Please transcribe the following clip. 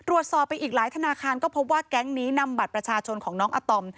ตรวจสอบไปอีกหลายธนาคารก็พบว่าแก๊งนี้นำบัตรประชาชนของน้องอาตอม